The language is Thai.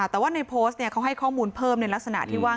แต่ว่าในโพสต์เขาให้ข้อมูลเพิ่มในลักษณะที่ว่า